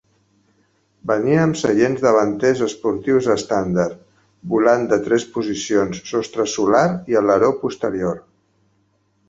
Venia amb seients davanters esportius estàndard, volant de tres posicions, sostre solar i aleró posterior.